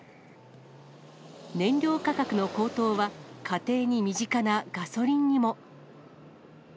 燃料価格の高騰は、家庭に身近なガソリンにも。